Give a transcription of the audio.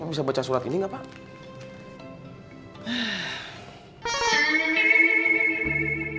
kamu bisa baca surat ini nggak pak